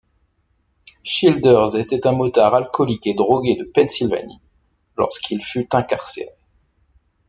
Childers était un motard alcoolique et drogué de Pennsylvanie lorsqu'il fut incarcéré.